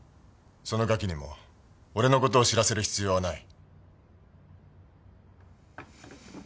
そのガキにも俺の事を知らせる必要はない。